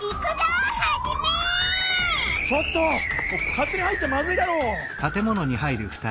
かってに入っちゃまずいだろう。